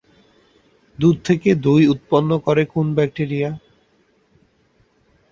দুধ থেকে দই উৎপন্ন করে কোন ব্যাকটেরিয়া?